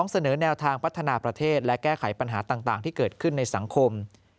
เสนอแนวทางพัฒนาประเทศและแก้ไขปัญหาต่างที่เกิดขึ้นในสังคม